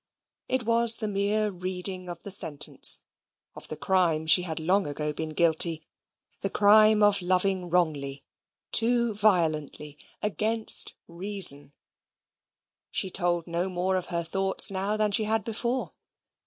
It was the mere reading of the sentence of the crime she had long ago been guilty the crime of loving wrongly, too violently, against reason. She told no more of her thoughts now than she had before.